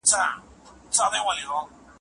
آیا ستا په کورنۍ کي ماشومان پښتو وايي؟